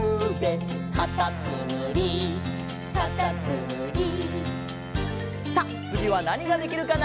「かたつむりかたつむり」さあつぎはなにができるかな？